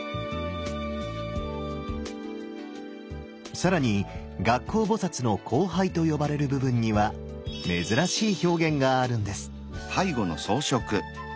更に月光菩の「光背」と呼ばれる部分には珍しい表現があるんです。